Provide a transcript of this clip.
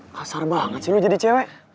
kasar banget sih lo jadi cewek